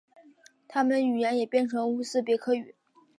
他们语言也变成乌兹别克语。